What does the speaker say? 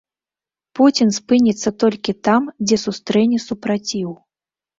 Пуцін спыніцца толькі там, дзе сустрэне супраціў.